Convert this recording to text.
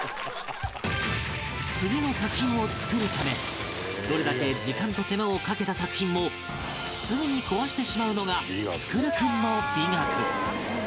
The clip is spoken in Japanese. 次の作品を作るためどれだけ時間と手間をかけた作品もすぐに壊してしまうのが創君の美学